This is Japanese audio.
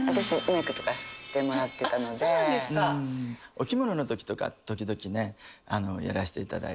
お着物のときとか時々ねやらしていただいたり。